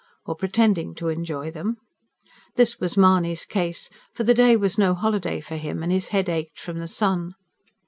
Or pretending to enjoy them. This was Mahony's case; for the day was no holiday for him, and his head ached from the sun.